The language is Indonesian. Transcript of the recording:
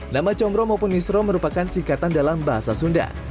nama comro maupun misro merupakan singkatan dalam bahasa sunda